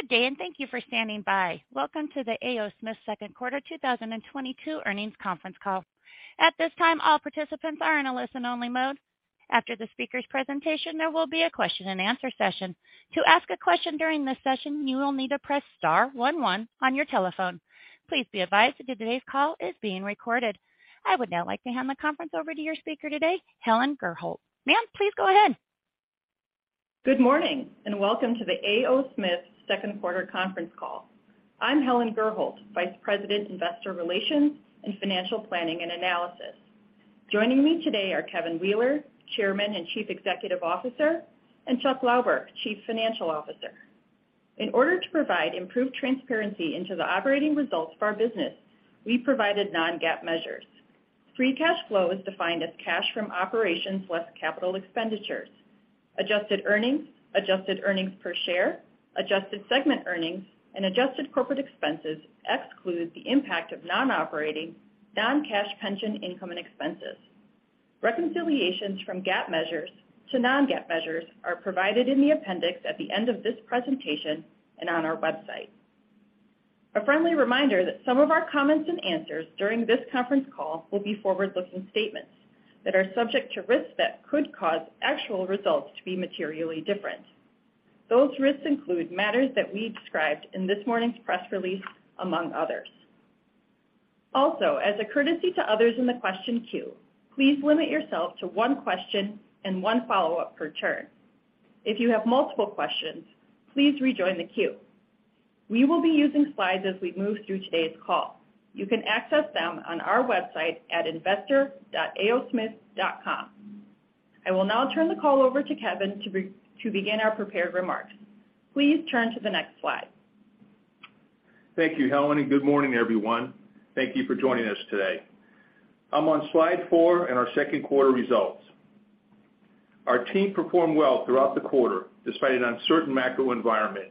Good day and thank you for standing by. Welcome to the A. O. Smith second quarter 2022 earnings conference call. At this time, all participants are in a listen only mode. After the speaker's presentation, there will be a question and answer session. To ask a question during this session, you will need to press star one one on your telephone. Please be advised that today's call is being recorded. I would now like to hand the conference over to your speaker today, Helen Gurholt. Ma'am, please go ahead. Good morning and welcome to the A. O. Smith second quarter conference call. I'm Helen Gurholt, Vice President, Investor Relations and Financial Planning and Analysis. Joining me today are Kevin Wheeler, Chairman and Chief Executive Officer and Chuck Lauber, Chief Financial Officer. In order to provide improved transparency into the operating results of our business, we provided non-GAAP measures. Free cash flow is defined as cash from operations less capital expenditures. Adjusted earnings, adjusted earnings per share, adjusted segment earnings and adjusted corporate expenses exclude the impact of non-operating, non-cash pension income and expenses. Reconciliations from GAAP measures to non-GAAP measures are provided in the appendix at the end of this presentation and on our website. A friendly reminder that some of our comments and answers during this conference call will be forward-looking statements that are subject to risks that could cause actual results to be materially different. Those risks include matters that we described in this morning's press release, among others. Also, as a courtesy to others in the question queue, please limit yourself to one question and one follow-up per turn. If you have multiple questions, please rejoin the queue. We will be using slides as we move through today's call. You can access them on our website at investor.aosmith.com. I will now turn the call over to Kevin to begin our prepared remarks. Please turn to the next slide. Thank you, Helen and good morning, everyone. Thank you for joining us today. I'm on slide four in our second quarter results. Our team performed well throughout the quarter, despite an uncertain macro environment,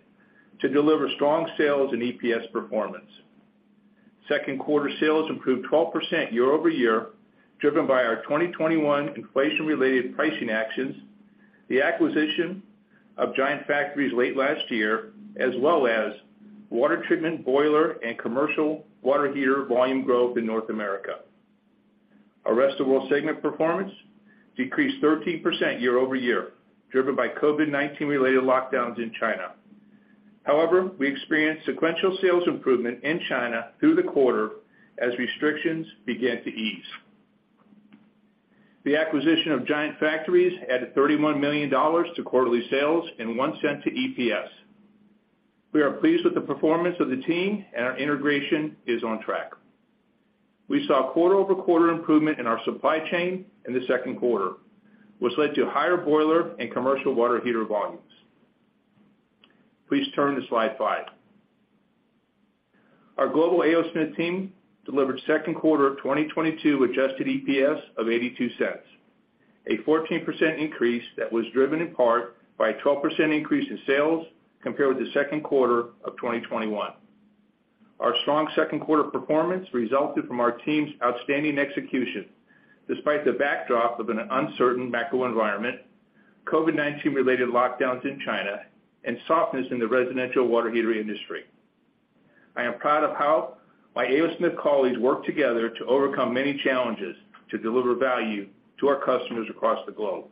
to deliver strong sales and EPS performance. Second quarter sales improved 12% year-over-year, driven by our 2021 inflation-related pricing actions, the acquisition of Giant Factories late last year, as well as water treatment, boiler and commercial water heater volume growth in North America. Our Rest of World segment performance decreased 13% year-over-year, driven by COVID-19 related lockdowns in China. However, we experienced sequential sales improvement in China through the quarter as restrictions began to ease. The acquisition of Giant Factories added $31 million to quarterly sales and $0.01 to EPS. We are pleased with the performance of the team and our integration is on track. We saw quarter-over-quarter improvement in our supply chain in the second quarter, which led to higher boiler and commercial water heater volumes. Please turn to slide 5. Our global A. O. Smith team delivered second quarter of 2022 adjusted EPS of $0.82, a 14% increase that was driven in part by a 12% increase in sales compared with the second quarter of 2021. Our strong second quarter performance resulted from our team's outstanding execution despite the backdrop of an uncertain macro environment, COVID-19 related lockdowns in China and softness in the residential water heater industry. I am proud of how my A. O. Smith colleagues worked together to overcome many challenges to deliver value to our customers across the globe.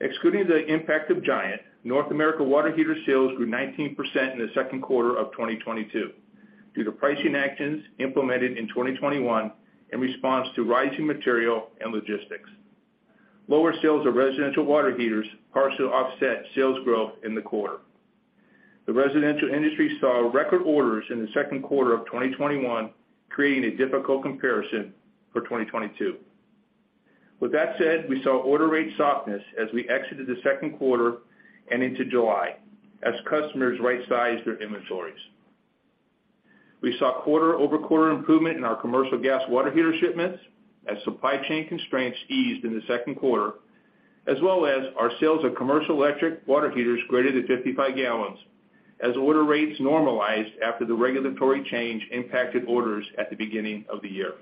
Excluding the impact of Giant, North America water heater sales grew 19% in the second quarter of 2022 due to pricing actions implemented in 2021 in response to rising material and logistics. Lower sales of residential water heaters partially offset sales growth in the quarter. The residential industry saw record orders in the second quarter of 2021, creating a difficult comparison for 2022. With that said, we saw order rate softness as we exited the second quarter and into July as customers right-sized their inventories. We saw quarter-over-quarter improvement in our commercial gas water heater shipments as supply chain constraints eased in the second quarter, as well as our sales of commercial electric water heaters greater than 55 gallons as order rates normalized after the regulatory change impacted orders at the beginning of the year.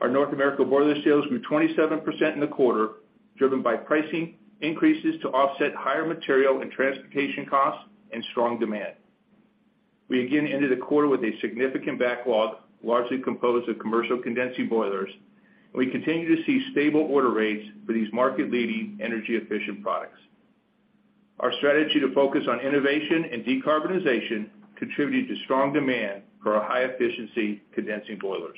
Our North America boiler sales grew 27% in the quarter, driven by pricing increases to offset higher material and transportation costs and strong demand. We again ended the quarter with a significant backlog, largely composed of commercial condensing boilers and we continue to see stable order rates for these market-leading energy efficient products. Our strategy to focus on innovation and decarbonization contributed to strong demand for our high efficiency condensing boilers.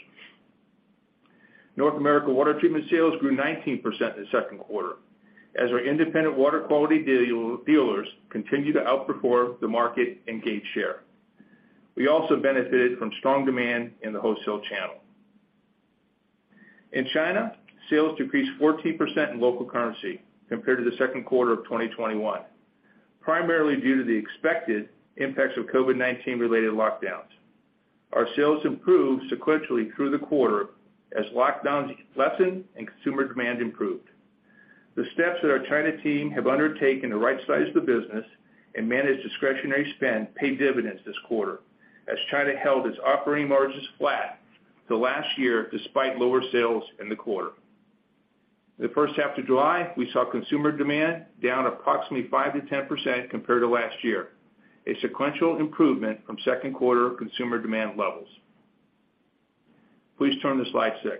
North America water treatment sales grew 19% in the second quarter as our independent water quality dealers continued to outperform the market and gain share. We also benefited from strong demand in the wholesale channel. In China, sales decreased 14% in local currency compared to the second quarter of 2021, primarily due to the expected impacts of COVID-19 related lockdowns. Our sales improved sequentially through the quarter as lockdowns lessened and consumer demand improved. The steps that our China team have undertaken to rightsize the business and manage discretionary spend paid dividends this quarter as China held its operating margins flat to last year despite lower sales in the quarter. In the first half of July, we saw consumer demand down approximately 5%-10% compared to last year, a sequential improvement from second quarter consumer demand levels. Please turn to slide 6.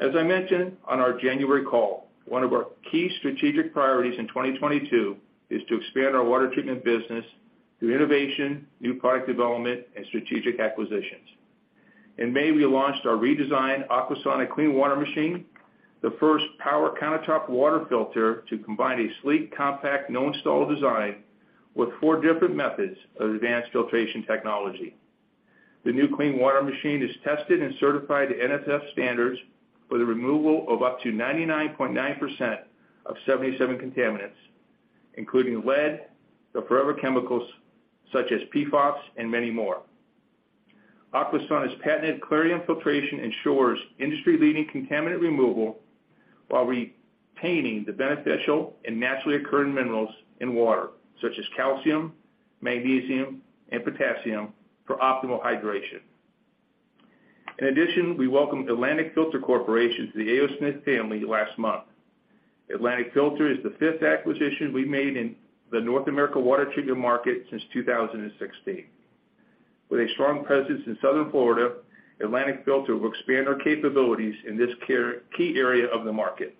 As I mentioned on our January call, one of our key strategic priorities in 2022 is to expand our water treatment business through innovation, new product development and strategic acquisitions. In May, we launched our redesigned Aquasana Clean Water Machine, the first power countertop water filter to combine a sleek, compact, no-install design with four different methods of advanced filtration technology. The new Clean Water Machine is tested and certified to NSF standards for the removal of up to 99.9% of 77 contaminants, including lead, the forever chemicals such as PFOS and many more. Aquasana's patented Claryum filtration ensures industry-leading contaminant removal while retaining the beneficial and naturally occurring minerals in water such as calcium, magnesium and potassium for optimal hydration. In addition, we welcomed Atlantic Filter Corporation to the A. O. Smith family last month. Atlantic Filter is the fifth acquisition we made in the North America water treatment market since 2016. With a strong presence in Southern Florida, Atlantic Filter will expand our capabilities in this key area of the market.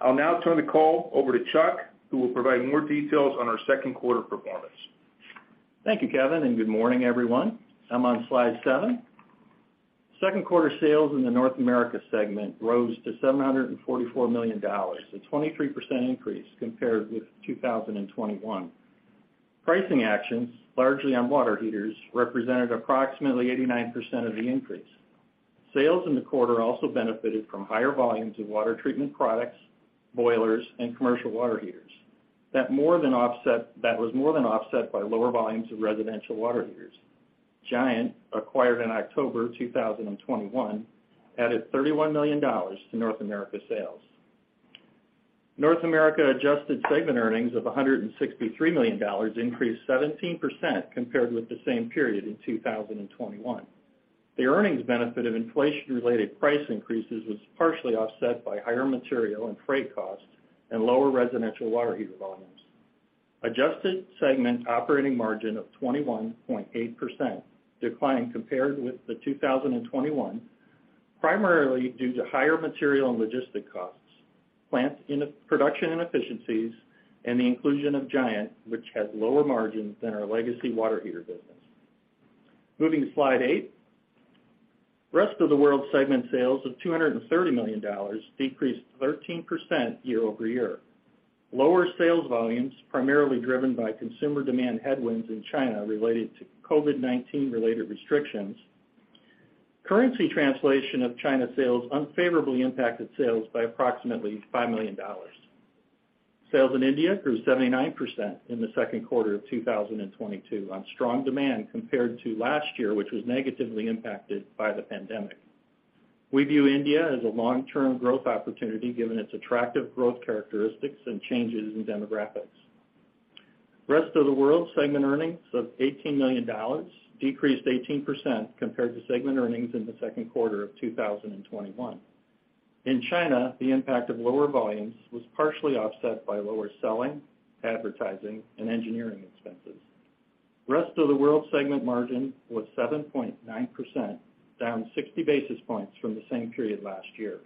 I'll now turn the call over to Chuck, who will provide more details on our second quarter performance. Thank you, Kevin and good morning, everyone. I'm on slide seven. Second quarter sales in the North America segment rose to $744 million, a 23% increase compared with 2021. Pricing actions, largely on water heaters, represented approximately 89% of the increase. Sales in the quarter also benefited from higher volumes of water treatment products, boilers and commercial water heaters. That was more than offset by lower volumes of residential water heaters. Giant, acquired in October 2021, added $31 million to North America sales. North America adjusted segment earnings of $163 million increased 17% compared with the same period in 2021. The earnings benefit of inflation-related price increases was partially offset by higher material and freight costs and lower residential water heater volumes. Adjusted segment operating margin of 21.8% declined compared with 2021, primarily due to higher material and logistic costs, production inefficiencies and the inclusion of Giant, which has lower margins than our legacy water heater business. Moving to slide 8. Rest of the World segment sales of $230 million decreased 13% year-over-year. Lower sales volumes, primarily driven by consumer demand headwinds in China related to COVID-19 related restrictions. Currency translation of China sales unfavorably impacted sales by approximately $5 million. Sales in India grew 79% in the second quarter of 2022 on strong demand compared to last year, which was negatively impacted by the pandemic. We view India as a long-term growth opportunity given its attractive growth characteristics and changes in demographics. Rest of the World segment earnings of $18 million decreased 18% compared to segment earnings in the second quarter of 2021. In China, the impact of lower volumes was partially offset by lower selling, advertising and engineering expenses. Rest of the World segment margin was 7.9%, down 60 basis points from the same period last year.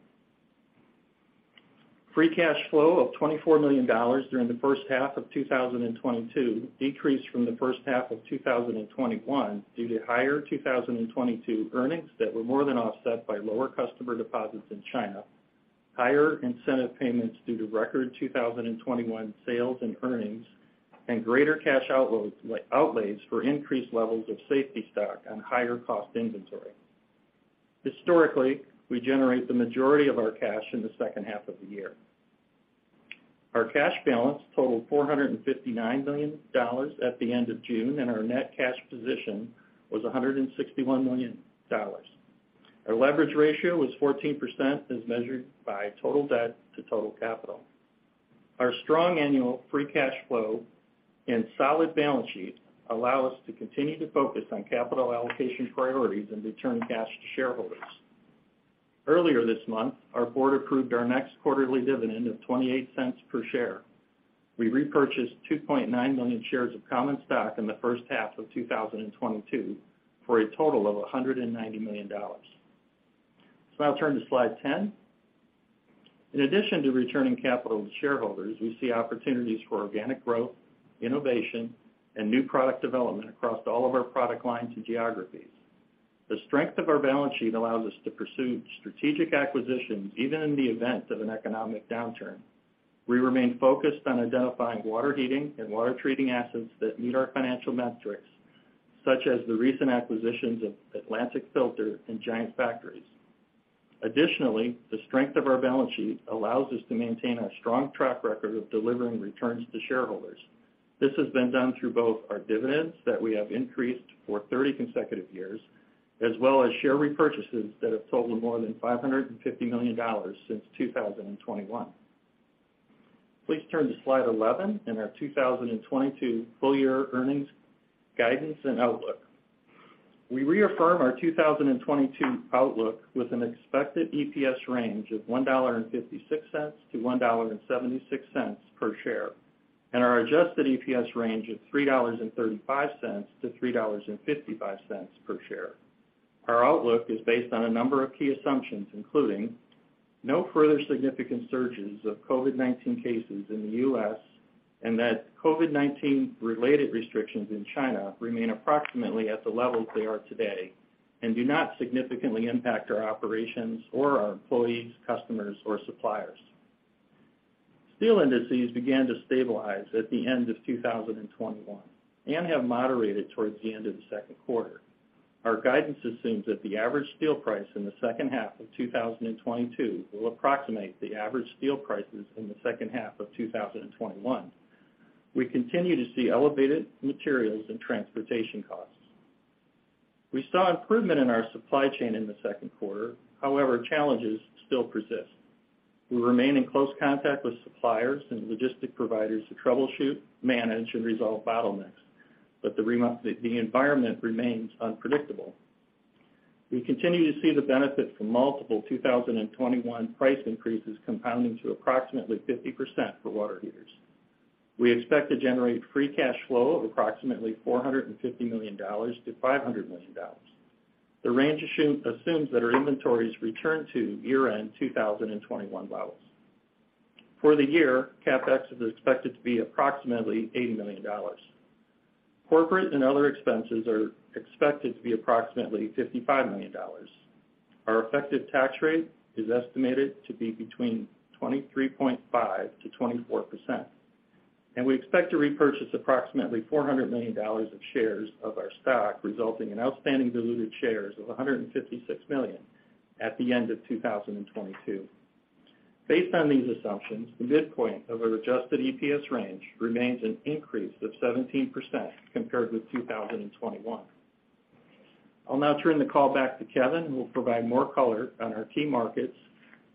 Free cash flow of $24 million during the first half of 2022 decreased from the first half of 2021 due to higher 2022 earnings that were more than offset by lower customer deposits in China, higher incentive payments due to record 2021 sales and earnings and greater cash outlays for increased levels of safety stock on higher cost inventory. Historically, we generate the majority of our cash in the second half of the year. Our cash balance totaled $459 million at the end of June and our net cash position was $161 million. Our leverage ratio was 14% as measured by total debt to total capital. Our strong annual free cash flow and solid balance sheet allow us to continue to focus on capital allocation priorities and return cash to shareholders. Earlier this month, our board approved our next quarterly dividend of $0.28 per share. We repurchased 2.9 million shares of common stock in the first half of 2022, for a total of $190 million. I'll turn to slide ten. In addition to returning capital to shareholders, we see opportunities for organic growth, innovation and new product development across all of our product lines and geographies. The strength of our balance sheet allows us to pursue strategic acquisitions even in the event of an economic downturn. We remain focused on identifying water heating and water treating assets that meet our financial metrics, such as the recent acquisitions of Atlantic Filter and Giant Factories. Additionally, the strength of our balance sheet allows us to maintain our strong track record of delivering returns to shareholders. This has been done through both our dividends that we have increased for thirty consecutive years, as well as share repurchases that have totaled more than $550 million since 2021. Please turn to slide 11 and our 2022 full year earnings guidance and outlook. We reaffirm our 2022 outlook with an expected EPS range of $1.56-$1.76 per share and our adjusted EPS range of $3.35-$3.55 per share. Our outlook is based on a number of key assumptions, including no further significant surges of COVID-19 cases in the U.S. and that COVID-19 related restrictions in China remain approximately at the levels they are today and do not significantly impact our operations or our employees, customers or suppliers. Steel indices began to stabilize at the end of 2021 and have moderated towards the end of the second quarter. Our guidance assumes that the average steel price in the second half of 2022 will approximate the average steel prices in the second half of 2021. We continue to see elevated materials and transportation costs. We saw improvement in our supply chain in the second quarter. However, challenges still persist. We remain in close contact with suppliers and logistic providers to troubleshoot, manage and resolve bottlenecks but the environment remains unpredictable. We continue to see the benefit from multiple 2021 price increases compounding to approximately 50% for water heaters. We expect to generate free cash flow of approximately $450 million-$500 million. The range assumes that our inventories return to year-end 2021 levels. For the year, CapEx is expected to be approximately $80 million. Corporate and other expenses are expected to be approximately $55 million. Our effective tax rate is estimated to be between 23.5%-24% and we expect to repurchase approximately $400 million of shares of our stock, resulting in outstanding diluted shares of 156 million at the end of 2022. Based on these assumptions, the midpoint of our adjusted EPS range remains an increase of 17% compared with 2021. I'll now turn the call back to Kevin, who will provide more color on our key markets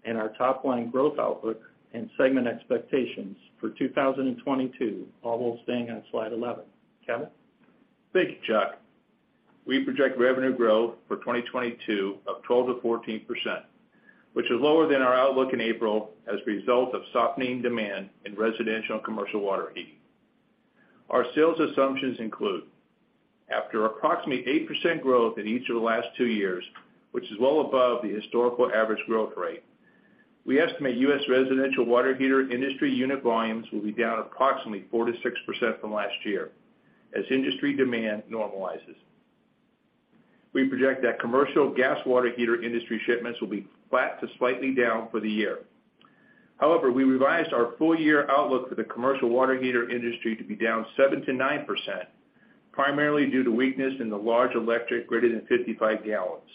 and our top line growth outlook and segment expectations for 2022, all while staying on slide 11. Kevin? Thank you, Chuck. We project revenue growth for 2022 of 12%-14%, which is lower than our outlook in April as a result of softening demand in residential and commercial water heating. Our sales assumptions include after approximately 8% growth in each of the last two years, which is well above the historical average growth rate, we estimate U.S. residential water heater industry unit volumes will be down approximately 4%-6% from last year as industry demand normalizes. We project that commercial gas water heater industry shipments will be flat to slightly down for the year. However, we revised our full year outlook for the commercial water heater industry to be down 7%-9%, primarily due to weakness in the large electric greater than 55 gallons.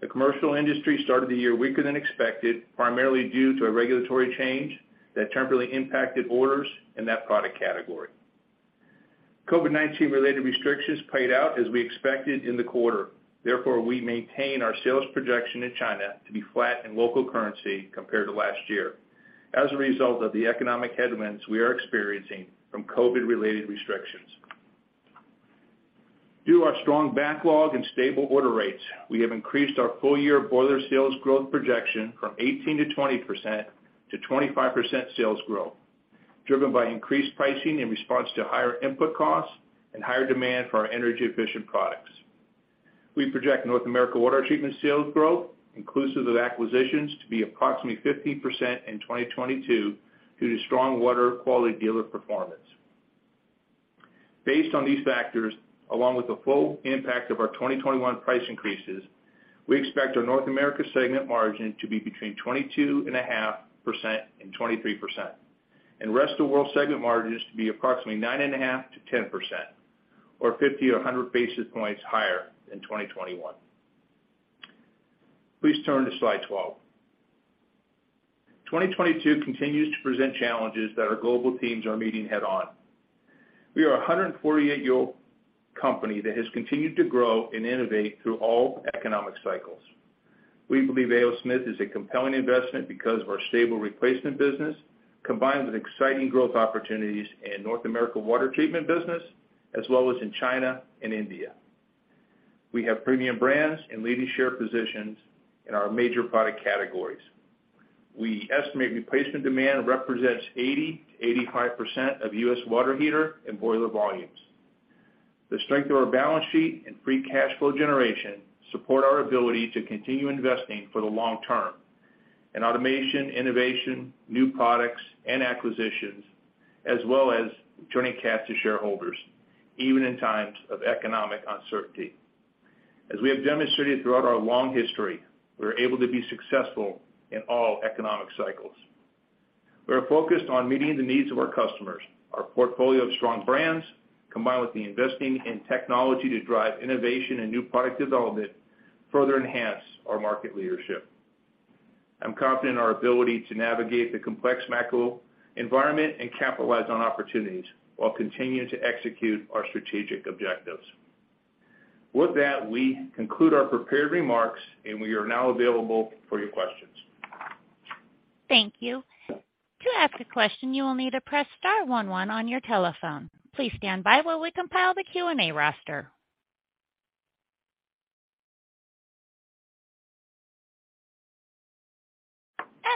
The commercial industry started the year weaker than expected, primarily due to a regulatory change that temporarily impacted orders in that product category. COVID-19 related restrictions played out as we expected in the quarter. Therefore, we maintain our sales projection in China to be flat in local currency compared to last year as a result of the economic headwinds we are experiencing from COVID-related restrictions. Due to our strong backlog and stable order rates, we have increased our full year boiler sales growth projection from 18%-20% to 25% sales growth, driven by increased pricing in response to higher input costs and higher demand for our energy efficient products. We project North America water treatment sales growth inclusive of acquisitions to be approximately 15% in 2022 due to strong water quality dealer performance. Based on these factors, along with the full impact of our 2021 price increases, we expect our North America segment margin to be between 22.5% and 23% and Rest of World segment margins to be approximately 9.5%-10% or 50 or 100 basis points higher than 2021. Please turn to slide 12. 2022 continues to present challenges that our global teams are meeting head on. We are a 148-year-old company that has continued to grow and innovate through all economic cycles. We believe A. O. Smith is a compelling investment because of our stable replacement business, combined with exciting growth opportunities in North America water treatment business as well as in China and India. We have premium brands and leading share positions in our major product categories. We estimate replacement demand represents 80%-85% of U.S. water heater and boiler volumes. The strength of our balance sheet and free cash flow generation support our ability to continue investing for the long term in automation, innovation, new products and acquisitions, as well as returning cash to shareholders even in times of economic uncertainty. As we have demonstrated throughout our long history, we're able to be successful in all economic cycles. We are focused on meeting the needs of our customers. Our portfolio of strong brands, combined with the investing in technology to drive innovation and new product development, further enhance our market leadership. I'm confident in our ability to navigate the complex macro environment and capitalize on opportunities while continuing to execute our strategic objectives. With that, we conclude our prepared remarks and we are now available for your questions. Thank you. To ask a question, you will need to press star one one on your telephone. Please stand by while we compile the Q&A roster.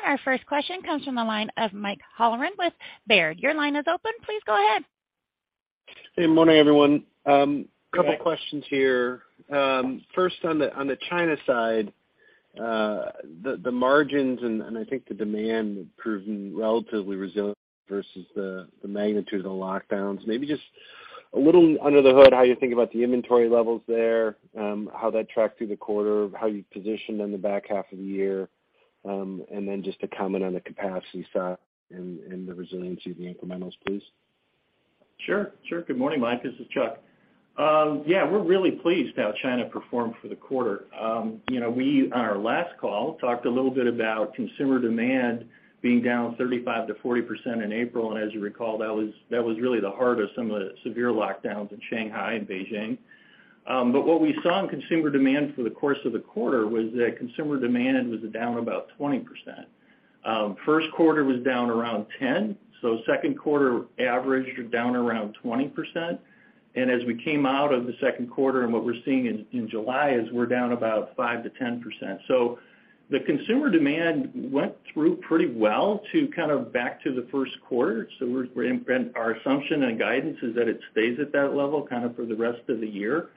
Our first question comes from the line of Michael Halloran with Baird. Your line is open. Please go ahead. Good morning, everyone. Couple questions here. First, on the China side, the margins and I think the demand have proven relatively resilient versus the magnitude of the lockdowns. Maybe just a little under the hood, how you think about the inventory levels there, how that tracked through the quarter, how you positioned in the back half of the year. Just a comment on the capacity side and the resiliency of the incremental, please. Sure. Good morning, Mike. This is Chuck. We're really pleased how China performed for the quarter. You know, we on our last call talked a little bit about consumer demand being down 35%-40% in April and as you recall, that was really the heart of some of the severe lockdowns in Shanghai and Beijing. What we saw in consumer demand for the course of the quarter was that consumer demand was down about 20%. First quarter was down around 10%, so second quarter averaged down around 20%. As we came out of the second quarter and what we're seeing in July is we're down about 5%-10%. The consumer demand went through pretty well to kind of back to the first quarter. Our assumption and guidance is that it stays at that level kind of for the rest of the year.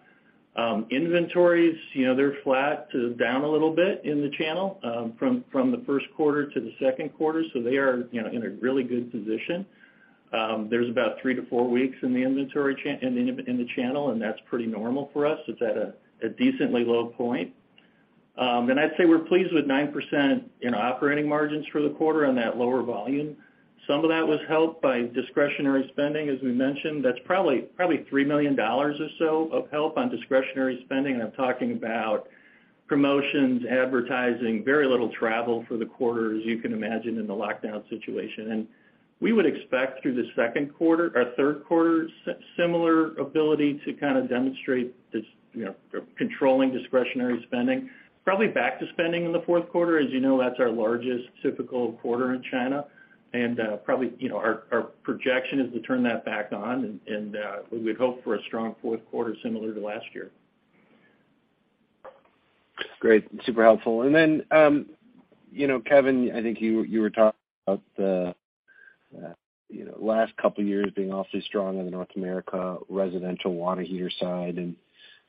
Inventories, you know, they're flat to down a little bit in the channel from the first quarter to the second quarter, so they are, you know, in a really good position. There's about three-four weeks in the inventory channel and that's pretty normal for us. It's at a decently low point. I'd say we're pleased with 9% in operating margins for the quarter on that lower volume. Some of that was helped by discretionary spending, as we mentioned. That's probably $3 million or so of help on discretionary spending. I'm talking about promotions, advertising, very little travel for the quarter, as you can imagine, in the lockdown situation. We would expect through the second quarter or third quarter, similar ability to kind of demonstrate this, you know, controlling discretionary spending. Probably back to spending in the fourth quarter. As you know, that's our largest typical quarter in China. Probably, you know, our projection is to turn that back on and we would hope for a strong fourth quarter similar to last year. Great. Super helpful. You know, Kevin, I think you were talking about the you know, last couple years being awfully strong on the North America residential water heater side and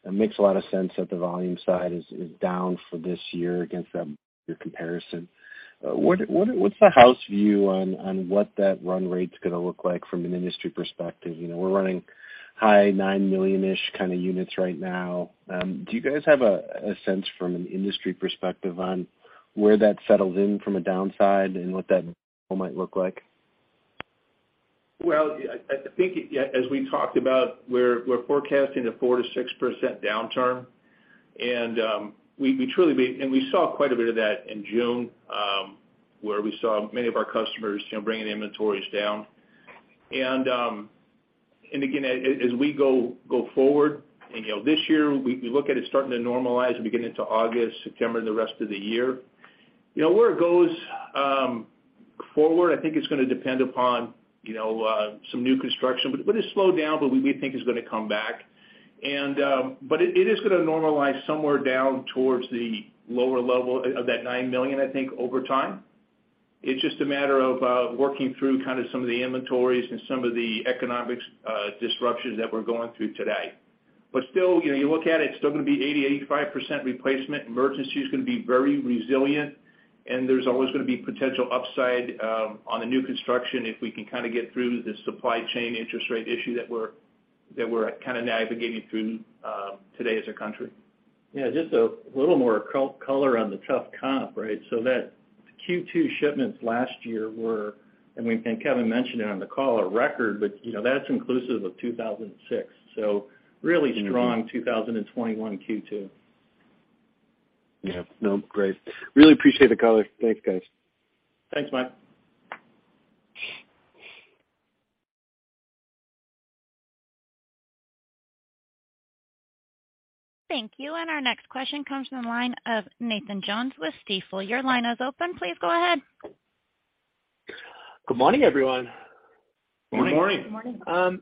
it makes a lot of sense that the volume side is down for this year against that year comparison. What's the house view on what that run rate's gonna look like from an industry perspective? You know, we're running high 9 million-ish kind of units right now. Do you guys have a sense from an industry perspective on where that settles in from a downside and what that might look like? Well, I think, yeah, as we talked about, we're forecasting a 4%-6% downturn. We saw quite a bit of that in June, where we saw many of our customers, you know, bringing inventories down. Again, as we go forward and, you know, this year, we look at it starting to normalize and get into August, September and the rest of the year. You know, where it goes forward, I think it's gonna depend upon, you know, some new construction. It slowed down but we think it's gonna come back. It is gonna normalize somewhere down towards the lower level of that 9 million, I think, over time. It's just a matter of working through kind of some of the inventories and some of the economics disruptions that we're going through today. Still, you know, you look at it's still gonna be 80%-85% replacement. Emergency is gonna be very resilient and there's always gonna be potential upside on the new construction if we can kind of get through the supply chain interest rate issue that we're kind of navigating through today as a country. Yeah, just a little more color on the tough comp, right? That Q2 shipments last year were and Kevin mentioned it on the call, a record but, you know, that's inclusive of 2,006. Really strong 2021 Q2. Yeah. No, great. Really appreciate the color. Thanks, guys. Thanks, Mike. Thank you. Our next question comes from the line of Nathan Jones with Stifel. Your line is open. Please go ahead. Good morning, everyone. Good morning. Good morning.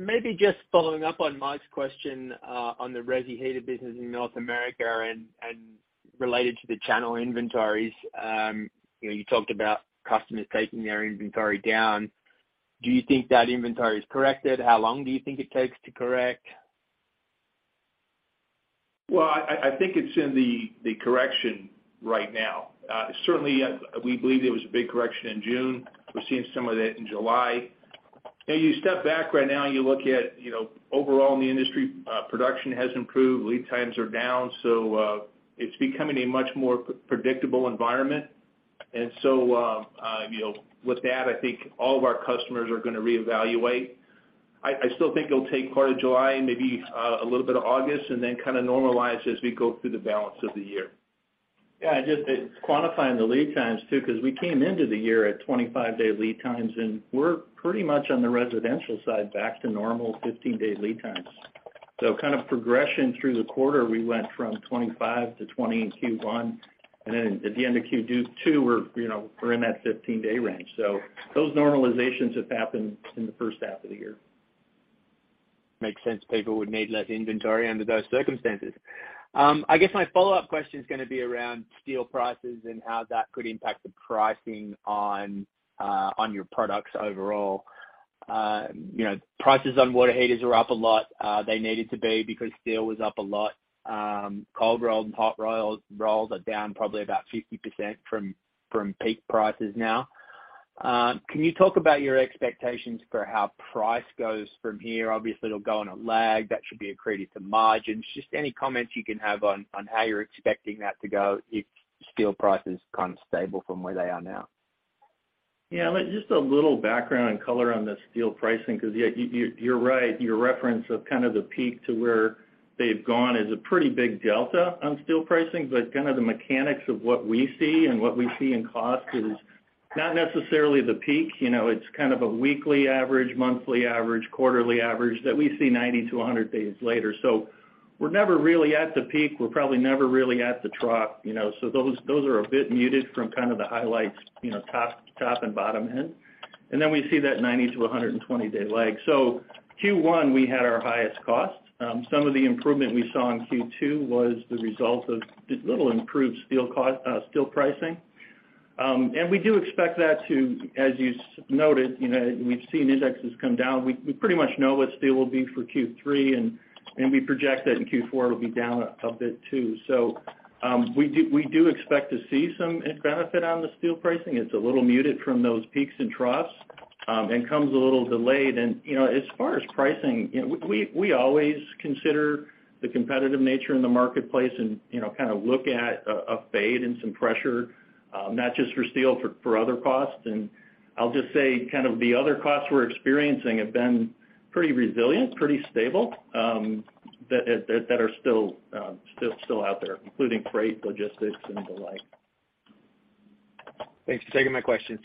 Maybe just following up on Mike's question, on the resi heater business in North America and related to the channel inventories. You know, you talked about customers taking their inventory down. Do you think that inventory is corrected? How long do you think it takes to correct? I think it's in the correction right now. Certainly, we believe there was a big correction in June. We're seeing some of that in July. You step back right now and you look at overall in the industry, production has improved, lead times are down, so it's becoming a much more predictable environment. With that, I think all of our customers are gonna reevaluate. I still think it'll take part of July, maybe a little bit of August and then kind of normalize as we go through the balance of the year. Just it's quantifying the lead times too, 'cause we came into the year at 25-day lead times and we're pretty much on the residential side, back to normal 15-day lead times. Kind of progression through the quarter, we went from 25 to 20 in Q1 and then at the end of Q2, we're, you know, in that 15-day range. Those normalizations have happened in the first half of the year. Makes sense. People would need less inventory under those circumstances. I guess my follow-up question is gonna be around steel prices and how that could impact the pricing on your products overall. You know, prices on water heaters are up a lot. They needed to be because steel was up a lot. Cold rolled and hot rolled rolls are down probably about 50% from peak prices now. Can you talk about your expectations for how price goes from here? Obviously, it'll go on a lag. That should be accretive to margins. Just any comments you can have on how you're expecting that to go if steel prices are kind of stable from where they are now. Yeah. Just a little background and color on the steel pricing, 'cause yeah, you're right. Your reference of kind of the peak to where they've gone is a pretty big delta on steel pricing. Kind of the mechanics of what we see in cost is not necessarily the peak. You know, it's kind of a weekly average, monthly average, quarterly average that we see 90-100 days later. We're never really at the peak. We're probably never really at the trough, you know, so those are a bit muted from kind of the highlights, you know, top and bottom end. Then we see that 90-120 day lag. Q1, we had our highest cost. Some of the improvement we saw in Q2 was the result of just little improved steel pricing. We do expect that too, as you noted, you know, we've seen indexes come down. We pretty much know what steel will be for Q3 and we project that in Q4 it'll be down a bit too. We do expect to see some benefit on the steel pricing. It's a little muted from those peaks and troughs and comes a little delayed. You know, as far as pricing, you know, we always consider the competitive nature in the marketplace and, you know, kind of look at a fade and some pressure, not just for steel, for other costs. I'll just say kind of the other costs we're experiencing have been pretty resilient, pretty stable, that are still out there, including freight, logistics and the like. Thanks for taking my questions.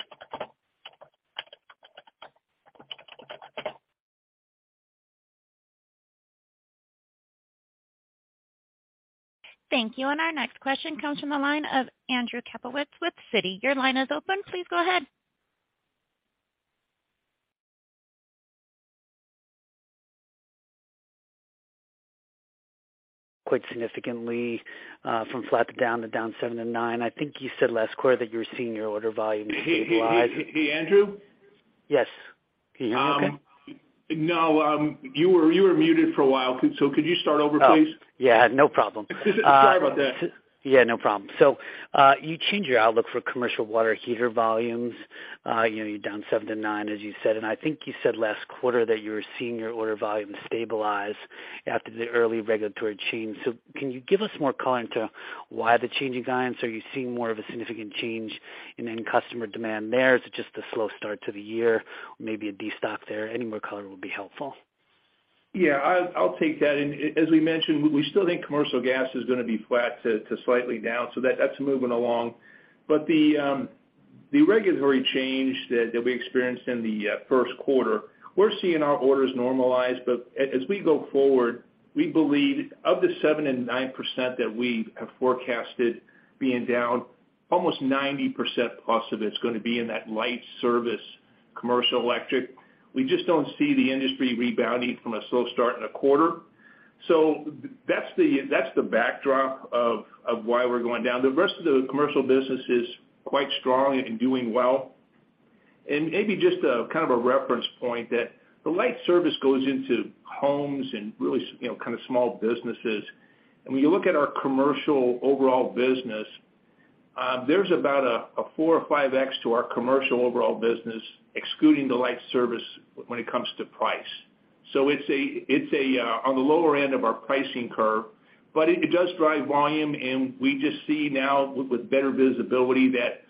Thank you. Our next question comes from the line of Andrew Kaplowitz with Citi. Your line is open. Please go ahead. Quite significantly, from flat to down to down 7%-9%. I think you said last quarter that you were seeing your order volume stabilize. Hey, Andrew? Yes. Can you hear me okay? No. You were muted for a while. Could you start over, please? Oh, yeah, no problem. Sorry about that. Yeah, no problem. You changed your outlook for commercial water heater volumes. You know, you're down 7-9, as you said and I think you said last quarter that you were seeing your order volume stabilize after the early regulatory change. Can you give us more color on why the change in guidance? Are you seeing more of a significant change in end customer demand there? Is it just a slow start to the year? Maybe a destock there? Any more color would be helpful. I'll take that. As we mentioned, we still think commercial gas is gonna be flat to slightly down. That's moving along. The regulatory change that we experienced in the first quarter, we're seeing our orders normalize. As we go forward, we believe of the 7%-9% that we have forecasted being down, almost 90% plus of it's gonna be in that light service commercial electric. We just don't see the industry rebounding from a slow start in a quarter. That's the backdrop of why we're going down. The rest of the commercial business is quite strong and doing well. Maybe just a kind of a reference point that the light service goes into homes and really, you know, kind of small businesses. When you look at our commercial overall business, there's about 4x or 5x to our commercial overall business, excluding the light service when it comes to price. It's on the lower end of our pricing curve but it does drive volume and we just see now with better visibility that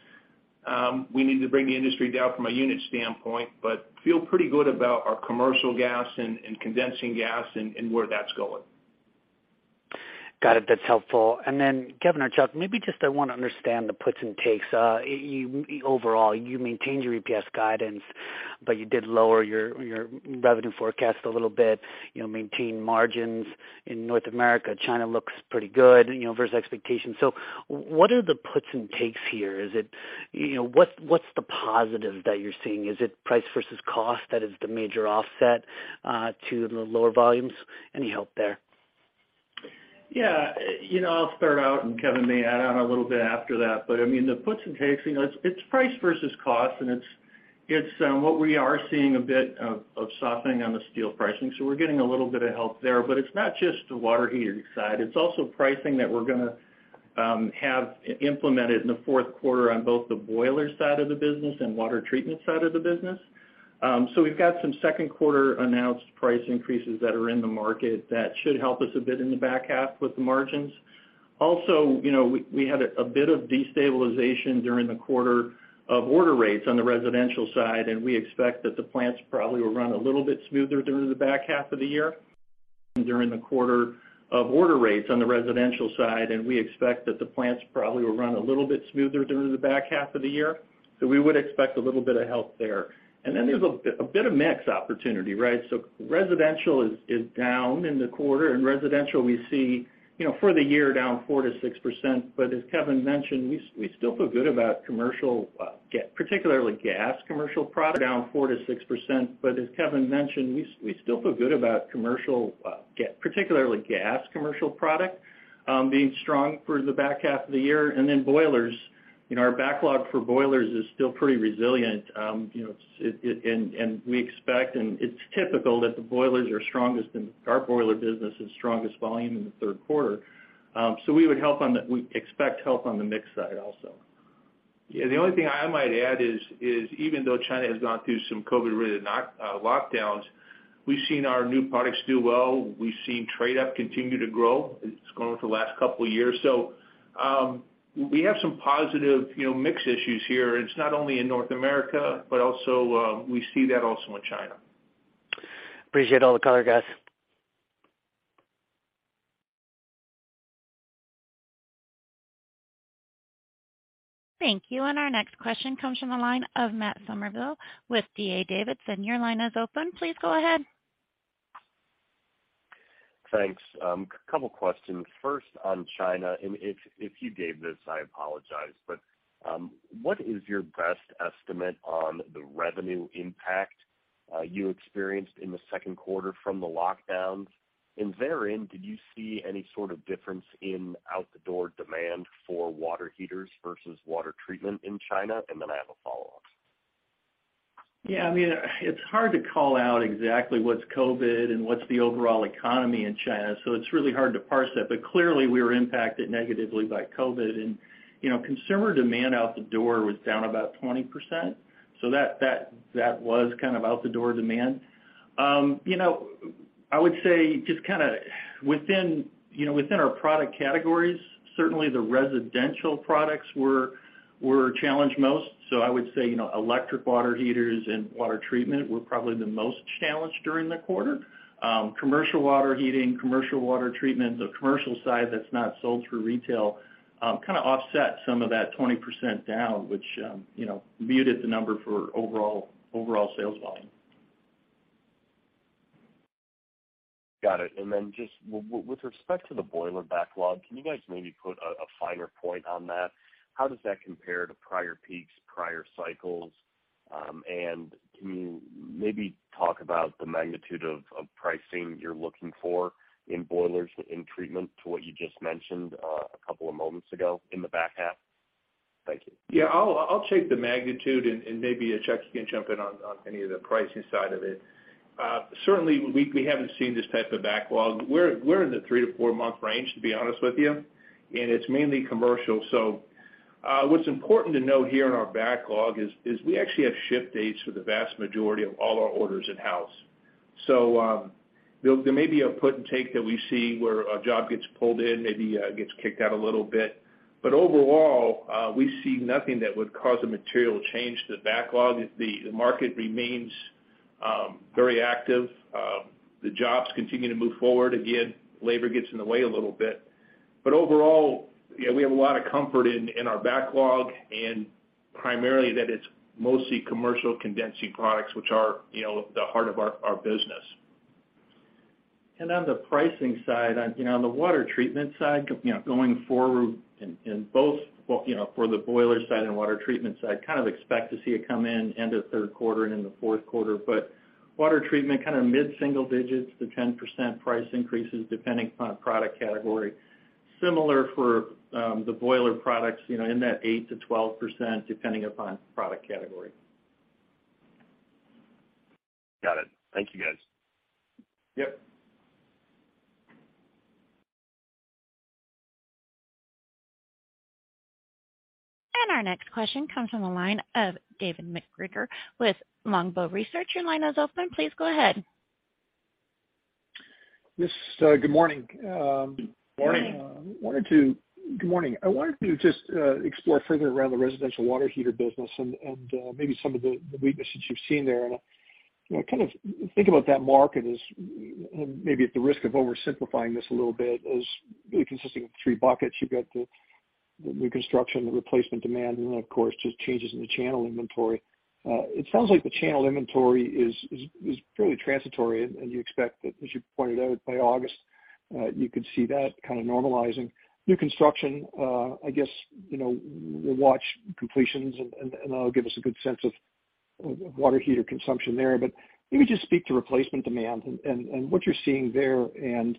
we need to bring the industry down from a unit standpoint but feel pretty good about our commercial gas and condensing gas and where that's going. Got it. That's helpful. Kevin or Chuck, maybe just I wanna understand the puts and takes. Overall, you maintained your EPS guidance but you did lower your revenue forecast a little bit, you know, maintain margins in North America. China looks pretty good, you know, versus expectations. What are the puts and takes here? Is it, you know, what's the positive that you're seeing? Is it price versus cost that is the major offset to the lower volumes? Any help there? Yeah. You know, I'll start out and Kevin may add on a little bit after that. I mean, the puts and takes, you know, it's price versus cost and it's what we are seeing a bit of softening on the steel pricing, so we're getting a little bit of help there. It's not just the water heater side, it's also pricing that we're gonna have implemented in the fourth quarter on both the boiler side of the business and water treatment side of the business. We've got some second quarter announced price increases that are in the market that should help us a bit in the back half with the margins. Also, you know, we had a bit of destabilization during the quarter on order rates on the residential side and we expect that the plants probably will run a little bit smoother during the back half of the year. We would expect a little bit of help there. Then there's a bit of mix opportunity, right? Residential is down in the quarter and residential we see, you know, for the year down 4%-6%. As Kevin mentioned, we still feel good about commercial, particularly gas commercial production down 4%-6%. As Kevin mentioned, we still feel good about commercial, particularly gas commercial product, being strong for the back half of the year. Boilers, you know, our backlog for boilers is still pretty resilient. You know, we expect and it's typical that the boilers are strongest and our boiler business is strongest volume in the third quarter. We expect help on the mix side also. Yeah. The only thing I might add is even though China has gone through some COVID-related knock-on lockdowns, we've seen our new products do well. We've seen trade up continue to grow. It's grown for the last couple years. We have some positive, you know, mix issues here. It's not only in North America but also we see that also in China. Appreciate all the color, guys. Thank you. Our next question comes from the line of Matt Summerville with D.A. Davidson. Your line is open. Please go ahead. Thanks. A couple questions. First on China, if you gave this, I apologize. What is your best estimate on the revenue impact you experienced in the second quarter from the lockdowns? Therein, did you see any sort of difference in out the door demand for water heaters versus water treatment in China? I have a follow-up. Yeah. I mean, it's hard to call out exactly what's COVID and what's the overall economy in China, so it's really hard to parse that. Clearly we were impacted negatively by COVID. You know, consumer demand out the door was down about 20%, so that was kind of out the door demand. You know, I would say just kind of within you know within our product categories, certainly the residential products were challenged most. I would say you know electric water heaters and water treatment were probably the most challenged during the quarter. Commercial water heating, commercial water treatment, the commercial side that's not sold through retail kind of offset some of that 20% down, which you know muted the number for overall sales volume. Got it. Just with respect to the boiler backlog, can you guys maybe put a finer point on that? How does that compare to prior peaks, prior cycles? Can you maybe talk about the magnitude of pricing you're looking for in boilers, in treatment to what you just mentioned, a couple of moments ago in the back half? Thank you. Yeah. I'll take the magnitude and maybe, Chuck, you can jump in on any of the pricing side of it. Certainly we haven't seen this type of backlog. We're in the three-four month range, to be honest with you and it's mainly commercial. What's important to note here in our backlog is we actually have ship dates for the vast majority of all our orders in-house. There may be a put and take that we see where a job gets pulled in, maybe gets kicked out a little bit. But overall, we see nothing that would cause a material change to the backlog. The market remains very active. The jobs continue to move forward. Again, labor gets in the way a little bit. Overall, yeah, we have a lot of comfort in our backlog and primarily that it's mostly commercial condensing products, which are, you know, the heart of our business. On the pricing side, you know, on the water treatment side, you know, going forward for the boiler side and water treatment side, kind of expect to see it come in end of third quarter and in the fourth quarter. Water treatment, kind of mid-single digits to 10% price increases, depending upon product category. Similar for the boiler products, you know, in that 8%-12%, depending upon product category. Got it. Thank you, guys. Yep. Our next question comes from the line of David MacGregor with Longbow Research. Your line is open. Please go ahead. Yes. Good morning. Morning. Morning. Good morning. I wanted to just explore further around the residential water heater business and maybe some of the weaknesses you've seen there. You know, kind of think about that market as, maybe at the risk of oversimplifying this a little bit, as really consisting of three buckets. You've got the new construction, the replacement demand and then of course, just changes in the channel inventory. It sounds like the channel inventory is fairly transitory and you expect that, as you pointed out, by August you could see that kind of normalizing. New construction, I guess, you know, we'll watch completions and that'll give us a good sense of water heater consumption there. Maybe just speak to replacement demand and what you're seeing there and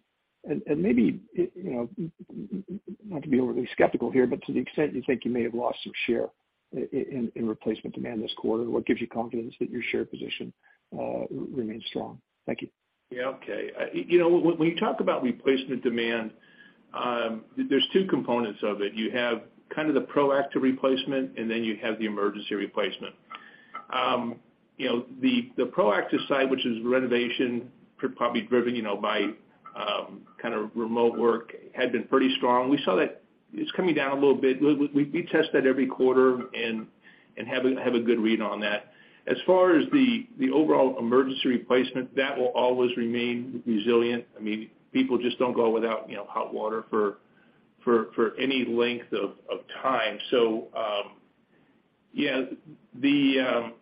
maybe, you know, not to be overly skeptical here but to the extent you think you may have lost some share in replacement demand this quarter, what gives you confidence that your share position remains strong? Thank you. Yeah. Okay. You know, when you talk about replacement demand, there's two components of it. You have kind of the proactive replacement and then you have the emergency replacement. You know, the proactive side, which is renovation, probably driven, you know, by kind of remote work had been pretty strong. We saw that it's coming down a little bit. We test that every quarter and have a good read on that. As far as the overall emergency replacement, that will always remain resilient. I mean, people just don't go without, you know, hot water for any length of time. So, yeah, the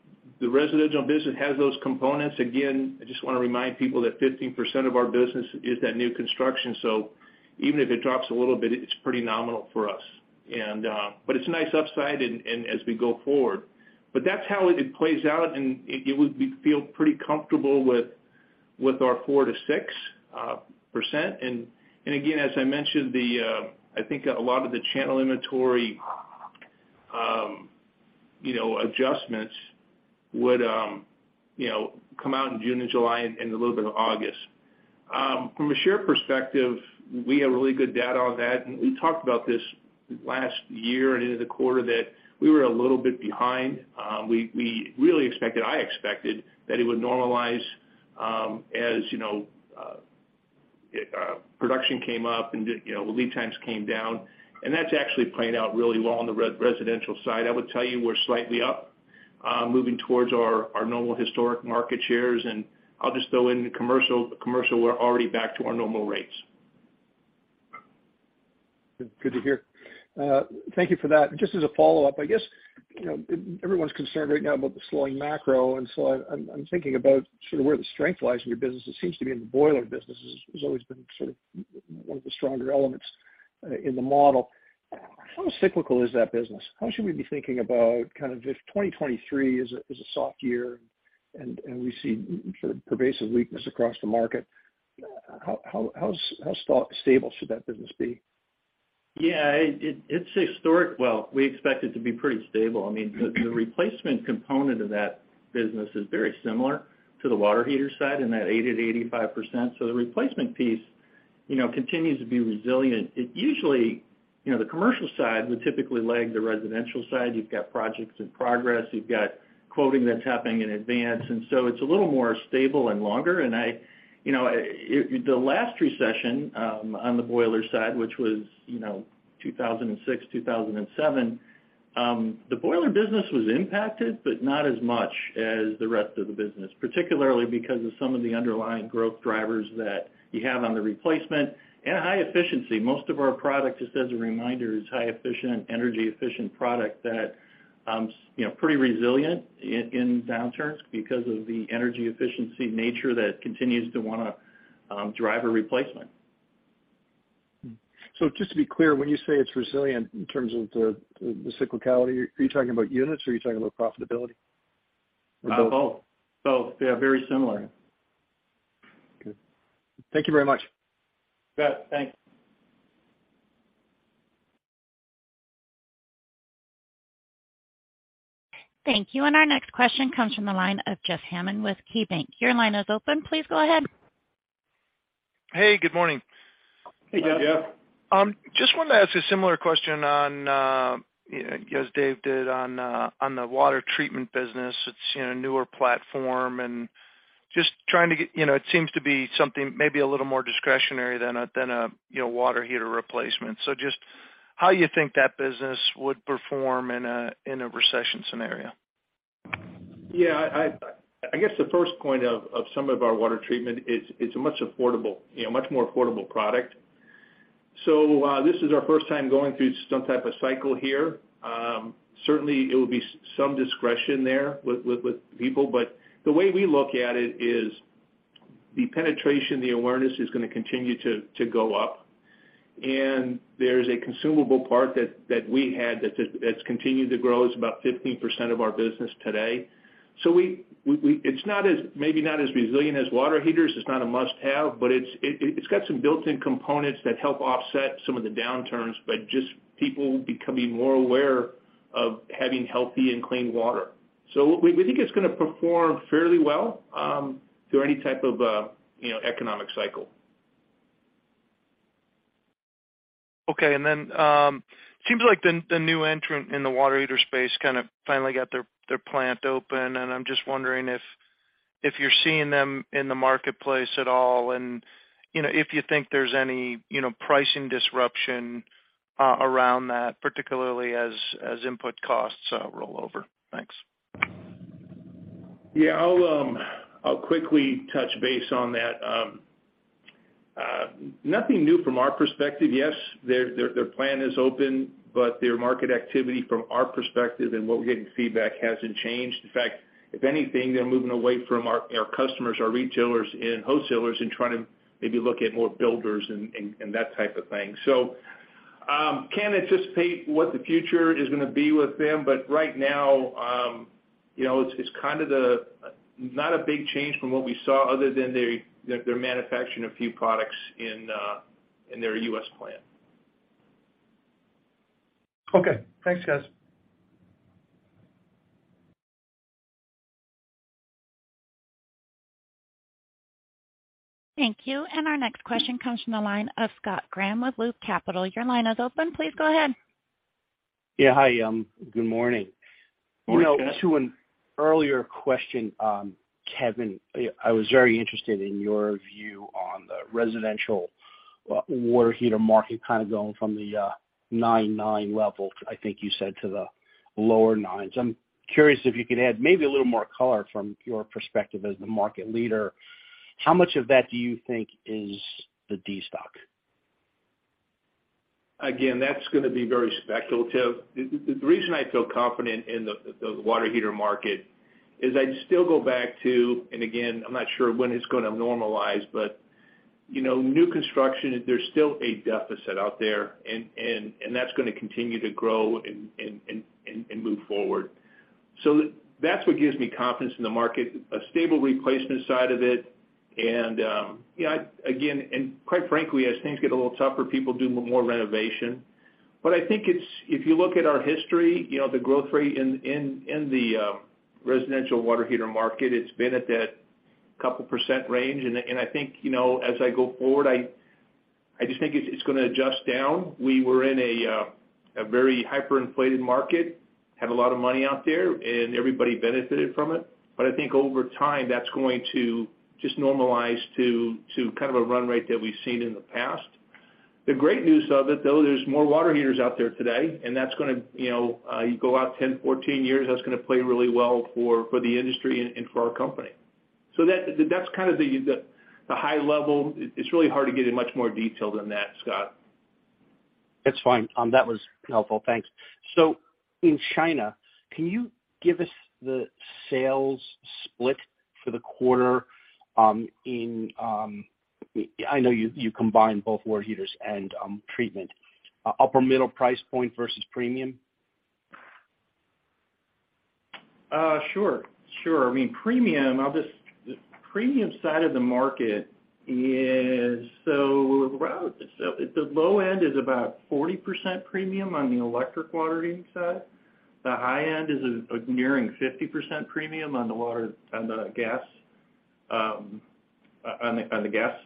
residential business has those components. Again, I just wanna remind people that 15% of our business is that new construction, so even if it drops a little bit, it's pretty nominal for us. It's a nice upside and as we go forward. That's how it plays out and we feel pretty comfortable with our 4-6%. Again, as I mentioned, I think a lot of the channel inventory, you know, adjustments would, you know, come out in June and July and a little bit of August. From a share perspective, we have really good data on that. We talked about this last year and into the quarter that we were a little bit behind. We really expected, I expected, that it would normalize, as you know, production came up and, you know, the lead times came down and that's actually playing out really well on the residential side. I would tell you we're slightly up, moving towards our normal historic market shares and I'll just throw in commercial. Commercial, we're already back to our normal rates. Good to hear. Thank you for that. Just as a follow-up, I guess, you know, everyone's concerned right now about the slowing macro and so I'm thinking about sort of where the strength lies in your business. It seems to be in the boiler business. It's always been sort of one of the stronger elements in the model. How cyclical is that business? How should we be thinking about kind of if 2023 is a soft year and we see sort of pervasive weakness across the market, how stable should that business be? Yeah, it's historic. Well, we expect it to be pretty stable. I mean, the replacement component of that business is very similar to the water heater side in that 80%-85%. So the replacement piece, you know, continues to be resilient. It usually you know, the commercial side would typically lag the residential side. You've got projects in progress. You've got quoting that's happening in advance. It's a little more stable and longer. I you know, the last recession on the boiler side, which was, you know, 2006, 2007, the boiler business was impacted but not as much as the rest of the business, particularly because of some of the underlying growth drivers that you have on the replacement and high efficiency. Most of our product, just as a reminder, is highly efficient, energy efficient product that, you know, pretty resilient in downturns because of the energy efficiency nature that continues to wanna drive a replacement. Just to be clear, when you say it's resilient in terms of the cyclicality, are you talking about units or are you talking about profitability? Both. They are very similar. Good. Thank you very much. Yeah, thanks. Thank you. Our next question comes from the line of Jeff Hammond with KeyBanc. Your line is open. Please go ahead. Hey, good morning. Hey, Jeff. Just wanted to ask a similar question on, you know, as Dave did on the water treatment business. It's, you know, a newer platform and just trying to get you know, it seems to be something maybe a little more discretionary than a you know, water heater replacement. Just how you think that business would perform in a recession scenario. Yeah, I guess the first point of some of our water treatment is it's a much more affordable product, you know. This is our first time going through some type of cycle here. Certainly it will be some discretion there with people but the way we look at it is the penetration, the awareness is gonna continue to go up. There's a consumable part that we had that's continued to grow. It's about 15% of our business today. It's not as, maybe not as resilient as water heaters. It's not a must-have but it's got some built-in components that help offset some of the downturns but just people becoming more aware of having healthy and clean water. We think it's gonna perform fairly well through any type of you know economic cycle. Okay. Seems like the new entrant in the water heater space kind of finally got their plant open and I'm just wondering if you're seeing them in the marketplace at all and, you know, if you think there's any, you know, pricing disruption around that, particularly as input costs roll over. Thanks. Yeah, I'll quickly touch base on that. Nothing new from our perspective. Yes, their plant is open but their market activity from our perspective and what we're getting feedback hasn't changed. In fact, if anything, they're moving away from our customers, our retailers and wholesalers and trying to maybe look at more builders and that type of thing. Can't anticipate what the future is gonna be with them but right now, you know, it's kind of not a big change from what we saw other than they're manufacturing a few products in their U.S. plant. Okay. Thanks, guys. Thank you. Our next question comes from the line of Scott Graham with Loop Capital. Your line is open. Please go ahead. Yeah. Hi, good morning. Morning, Scott. You know, to an earlier question, Kevin, I was very interested in your view on the residential water heater market kind of going from the 9.9% level, I think you said, to the lower 9s%. I'm curious if you could add maybe a little more color from your perspective as the market leader. How much of that do you think is the destock? Again, that's gonna be very speculative. The reason I feel confident in the water heater market is I still go back to and again, I'm not sure when it's gonna normalize but you know, new construction, there's still a deficit out there and that's gonna continue to grow and move forward. That's what gives me confidence in the market, a stable replacement side of it. Again and quite frankly, as things get a little tougher, people do more renovation. I think if you look at our history, you know, the growth rate in the residential water heater market, it's been at that couple percent range. I think, you know, as I go forward, I just think it's gonna adjust down. We were in a very hyperinflated market, had a lot of money out there and everybody benefited from it. I think over time, that's going to just normalize to kind of a run rate that we've seen in the past. The great news of it, though, there's more water heaters out there today and that's gonna you go out 10, 14 years, that's gonna play really well for the industry and for our company. That's kind of the high level. It's really hard to get in much more detail than that, Scott. That's fine. That was helpful. Thanks. In China, can you give us the sales split for the quarter, I know you combine both water heaters and treatment. Upper middle price point versus premium? Sure. I mean, the premium side of the market is so robust. The low end is about 40% premium on the electric water heating side. The high end is nearing 50% premium on the gas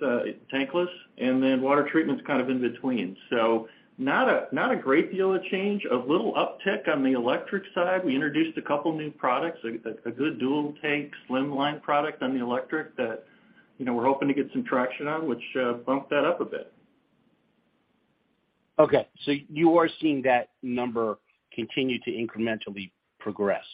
tankless and then water treatment's kind of in between. Not a great deal of change. A little uptick on the electric side. We introduced a couple new products, a good dual tank slim line product on the electric that, you know, we're hoping to get some traction on, which bumped that up a bit. Okay. You are seeing that number continue to incrementally progress.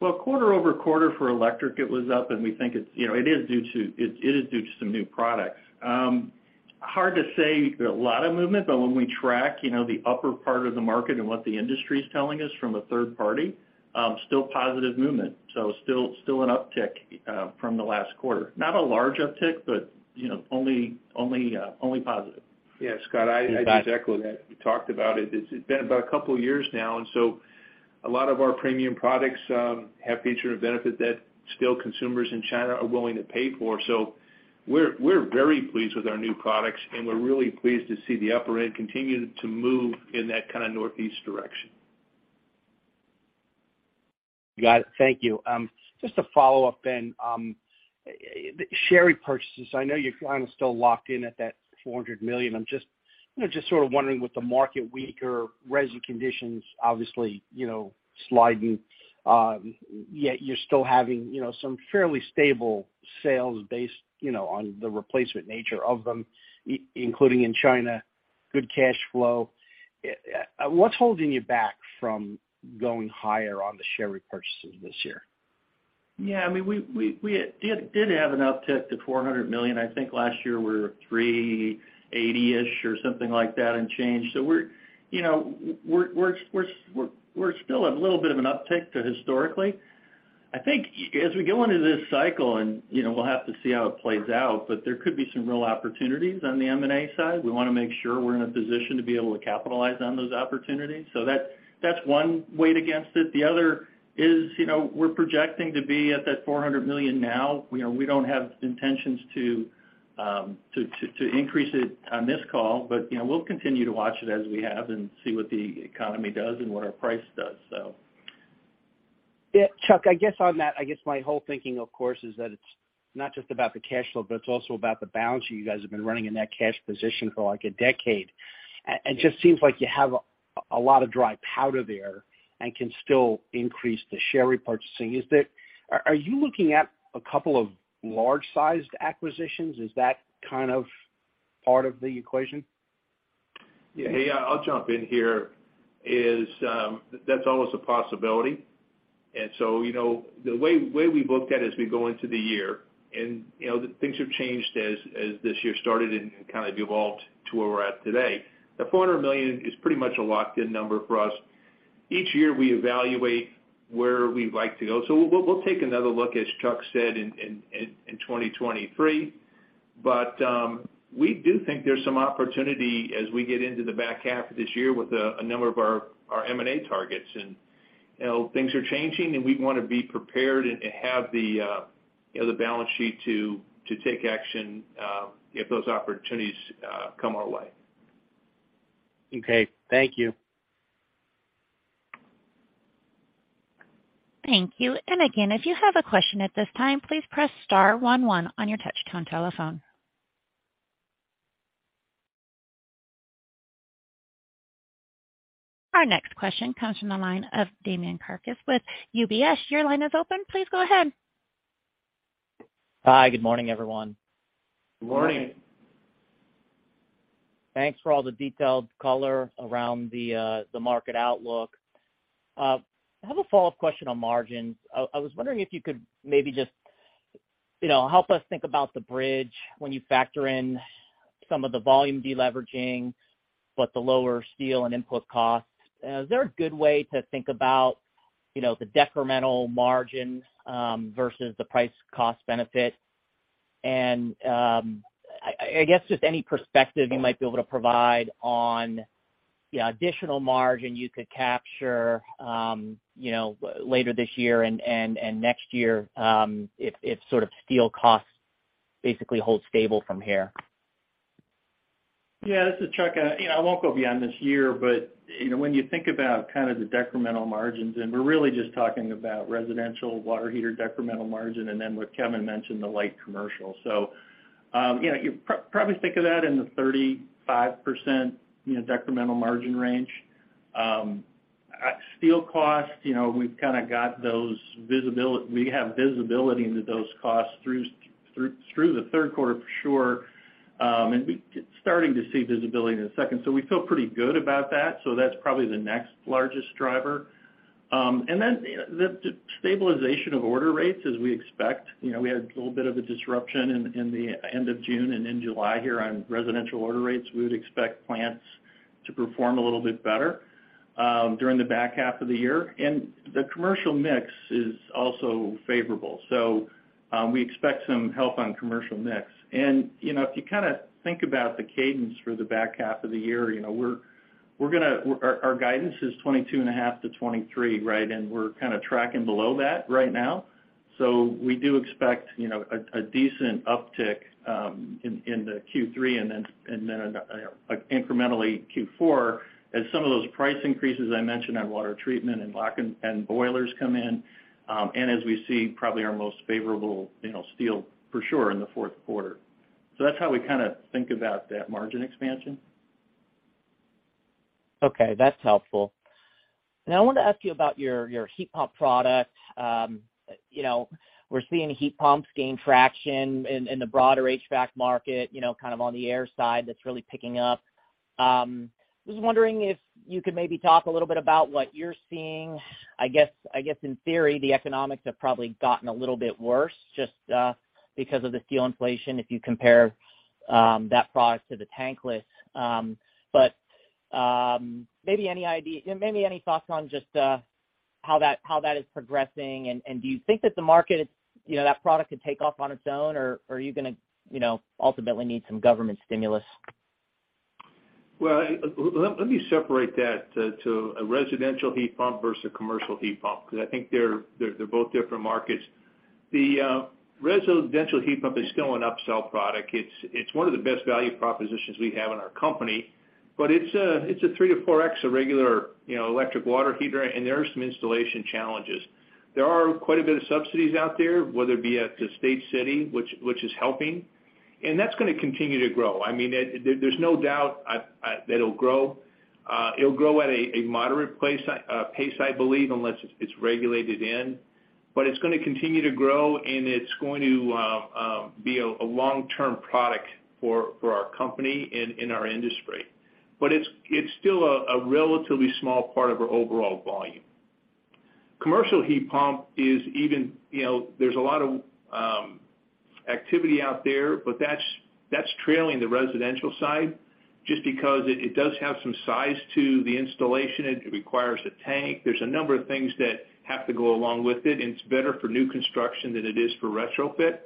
Well, quarter-over-quarter for electric, it was up and we think it's, it is due to some new products. Hard to say a lot of movement but when we track the upper part of the market and what the industry is telling us from a third party, still positive movement, so still an uptick from the last quarter. Not a large uptick but only positive. Yeah, Scott, I'd just echo that. We talked about it. It's been about a couple of years now and so a lot of our premium products have feature and benefit that still consumers in China are willing to pay for. So we're very pleased with our new products and we're really pleased to see the upper end continue to move in that kind of northeast direction. Got it. Thank you. Just a follow-up. Share repurchases. I know you're kind of still locked in at that $400 million. I'm just, you know, just sort of wondering with the market weaker, resi conditions, obviously, you know, sliding, yet you're still having, you know, some fairly stable sales based, you know, on the replacement nature of them, including in China, good cash flow. What's holding you back from going higher on the share repurchases this year? Yeah, I mean, we did have an uptick to $400 million. I think last year we were 380-ish or something like that and change. So we're, you know, we're still at a little bit of an uptick to historically. I think as we go into this cycle and, you know, we'll have to see how it plays out but there could be some real opportunities on the M&A side. We wanna make sure we're in a position to be able to capitalize on those opportunities. So that's one weight against it. The other is, you know, we're projecting to be at that $400 million now. You know, we don't have intentions to increase it on this call. You know, we'll continue to watch it as we have and see what the economy does and what our price does, so. Yeah. Chuck, I guess on that, I guess my whole thinking, of course, is that it's not just about the cash flow but it's also about the balance sheet. You guys have been running in that cash position for, like, a decade. It just seems like you have a lot of dry powder there and can still increase the share repurchasing. Are you looking at a couple of large-sized acquisitions? Is that kind of part of the equation? Yeah. I'll jump in here. That's always a possibility. You know, the way we looked at as we go into the year and, you know, things have changed as this year started and kind of evolved to where we're at today. The $400 million is pretty much a locked in number for us. Each year, we evaluate where we'd like to go. We'll take another look, as Chuck said, in 2023. We do think there's some opportunity as we get into the back half of this year with a number of our M&A targets. You know, things are changing and we wanna be prepared and to have the, you know, the balance sheet to take action if those opportunities come our way. Okay. Thank you. Thank you. Again, if you have a question at this time, please press star one one on your touch-tone telephone. Our next question comes from the line of Damian Karas with UBS. Your line is open. Please go ahead. Hi. Good morning, everyone. Good morning. Thanks for all the detailed color around the market outlook. I have a follow-up question on margins. I was wondering if you could maybe just, you know, help us think about the bridge when you factor in some of the volume de-leveraging but the lower steel and input costs. Is there a good way to think about, you know, the decremental margins versus the price cost benefit? I guess just any perspective you might be able to provide on the additional margin you could capture, you know, later this year and next year, if sort of steel costs basically hold stable from here. Yeah, this is Chuck. You know, I won't go beyond this year but you know, when you think about kind of the decremental margins and we're really just talking about residential water heater decremental margin and then what Kevin mentioned, the light commercial. You probably think of that in the 35% decremental margin range. Steel costs, you know, we have visibility into those costs through the third quarter, for sure. We're starting to see visibility in the second. We feel pretty good about that. That's probably the next largest driver. Then the stabilization of order rates as we expect. You know, we had a little bit of a disruption in the end of June and in July here on residential order rates. We would expect plants to perform a little bit better during the back half of the year. The commercial mix is also favorable. We expect some help on commercial mix. You know, if you kind of think about the cadence for the back half of the year, you know, our guidance is 22.5%-23%, right? We're kinda tracking below that right now. We do expect, you know, a decent uptick in the Q3 and then, you know, incrementally Q4 as some of those price increases I mentioned on water treatment and Lochinvar and boilers come in and as we see probably our most favorable, you know, steel for sure in the fourth quarter. That's how we kinda think about that margin expansion. Okay, that's helpful. Now, I wanted to ask you about your heat pump product. You know, we're seeing heat pumps gain traction in the broader HVAC market, you know, kind of on the air side that's really picking up. Was wondering if you could maybe talk a little bit about what you're seeing. I guess in theory, the economics have probably gotten a little bit worse just because of the steel inflation if you compare that product to the tankless. But maybe any thoughts on just how that is progressing. Do you think that the market, you know, that product could take off on its own or are you gonna, you know, ultimately need some government stimulus? Let me separate that to a residential heat pump versus a commercial heat pump because I think they're both different markets. The residential heat pump is still an upsell product. It's one of the best value propositions we have in our company but it's a 3-4x a regular, you know, electric water heater and there are some installation challenges. There are quite a bit of subsidies out there, whether it be at the state or city, which is helping and that's gonna continue to grow. I mean, there's no doubt that it'll grow. It'll grow at a moderate pace, I believe, unless it's regulated in. It's gonna continue to grow and it's going to be a long-term product for our company in our industry. It's still a relatively small part of our overall volume. Commercial heat pump is even. You know, there's a lot of activity out there but that's trailing the residential side just because it does have some size to the installation. It requires a tank. There's a number of things that have to go along with it and it's better for new construction than it is for retrofit.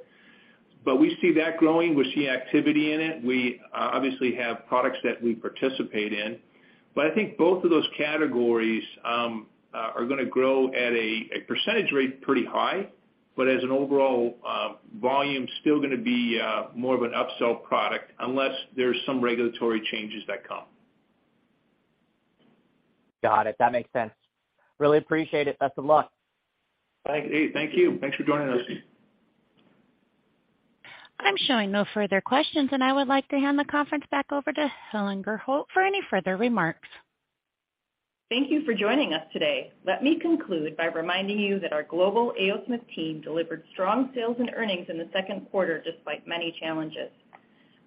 We see that growing. We see activity in it. We obviously have products that we participate in. I think both of those categories are gonna grow at a percentage rate pretty high. As an overall volume, still gonna be more of an upsell product unless there's some regulatory changes that come. Got it. That makes sense. Really appreciate it. Best of luck. Thank you. Thanks for joining us. I'm showing no further questions and I would like to hand the conference back over to Helen Gurholt for any further remarks. Thank you for joining us today. Let me conclude by reminding you that our global A. O. Smith team delivered strong sales and earnings in the second quarter despite many challenges.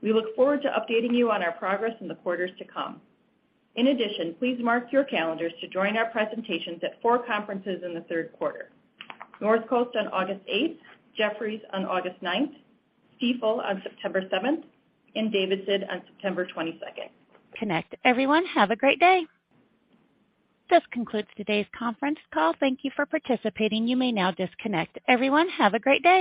We look forward to updating you on our progress in the quarters to come. In addition, please mark your calendars to join our presentations at four conferences in the third quarter. Northcoast on 8 August, Jefferies on 9 August, Stifel on 7 September and D.A. Davidson on 22 September. Thank you, everyone. Have a great day. This concludes today's conference call. Thank you for participating. You may now disconnect. Everyone, have a great day.